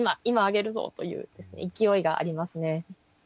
今揚げるぞという勢いがありますね。